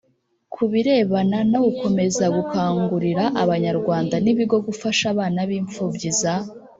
ku birebana no gukomeza gukangurira abanyarwanda n ibigo gufasha abana b imfubyi za